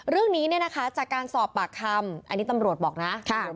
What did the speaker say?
เรื่องนี้เนี่ยนะคะจากการสอบปากคำอันนี้ตำรวจบอกนะ